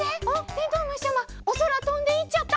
てんとうむしちゃまおそらとんでいっちゃった。